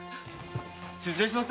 失礼します。